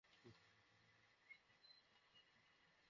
এই নিজেকে শুধরা, এটা তোর মেয়ের বিয়ে।